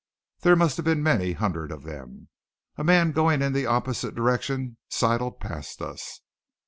There must have been many hundred of them. A man going in the opposite direction sidled past us.